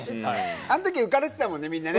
あんとき受かれてたもんね、みんなね。